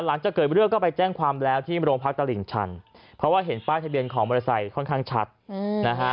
หลังจากเกิดเรื่องก็ไปแจ้งความแล้วที่โรงพักตลิ่งชันเพราะว่าเห็นป้ายทะเบียนของมอเตอร์ไซค์ค่อนข้างชัดนะฮะ